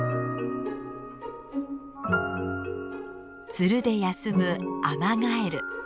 ツルで休むアマガエル。